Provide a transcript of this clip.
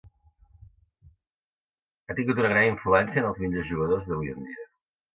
Ha tingut una gran influència en els millors jugadors d'avui en dia.